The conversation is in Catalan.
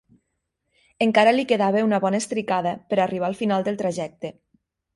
Encara li quedava una bona estricada per a arribar al final del trajecte.